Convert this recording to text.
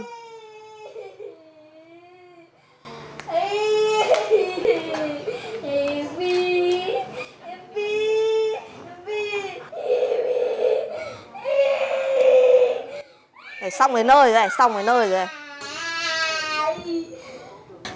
xong cái nơi rồi đấy xong cái nơi rồi đấy